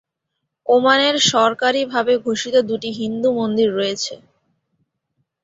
ওমানের সরকারিভাবে ঘোষিত দুটি হিন্দু মন্দির রয়েছে।